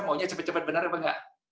maunya cepat cepat benar atau tidak